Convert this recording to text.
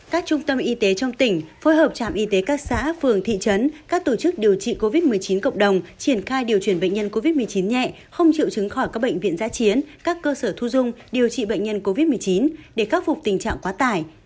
các trung tâm y tế trong tỉnh phối hợp trạm y tế các xã phường thị trấn các tổ chức điều trị covid một mươi chín cộng đồng triển khai điều chuyển bệnh nhân covid một mươi chín nhẹ không chịu chứng khỏi các bệnh viện giã chiến các cơ sở thu dung điều trị bệnh nhân covid một mươi chín để khắc phục tình trạng quá tải